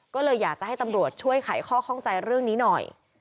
ก็เลยอยากจะให้ตำรวจช่วยไขข้อข้องใจเรื่องนี้หน่อย